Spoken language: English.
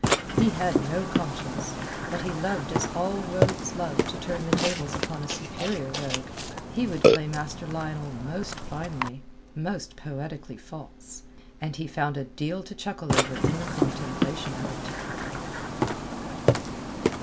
He had no conscience, but he loved as all rogues love to turn the tables upon a superior rogue. He would play Master Lionel most finely, most poetically false; and he found a deal to chuckle over in the contemplation of it.